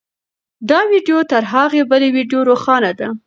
دا ویډیو تر هغې بلې ویډیو روښانه ده.